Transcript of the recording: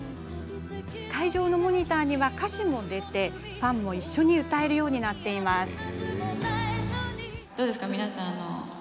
会場のモニターには、歌詞も出てファンも一緒に歌えるようになっています。